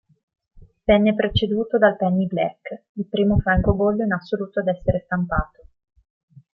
Venne preceduto dal Penny Black, il primo francobollo in assoluto ad essere stampato.